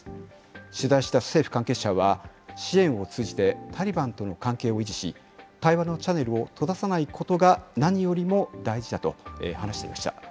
取材した政府関係者は、支援を通じてタリバンとの関係を維持し、対話のチャネルを閉ざさないことが何よりも大事だと話していました。